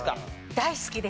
大好きです。